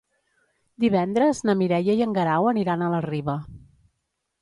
Divendres na Mireia i en Guerau aniran a la Riba.